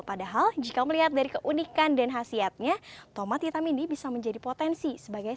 padahal jika melihat dari keunikan dan khasiatnya tomat hitam ini bisa menjadi potensi sebagai